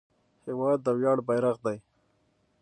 هېواد د ویاړ بیرغ دی.